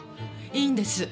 いいんです！